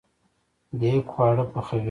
دیګ خواړه پخوي